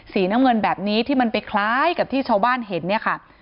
สีน้ำเงินแบบนี้ที่มันไปคล้ายกับที่ชาวบ้านเห็นเนี่ยค่ะ